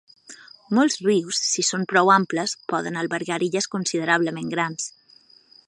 Molts rius, si són prou amples, poden albergar illes considerablement grans.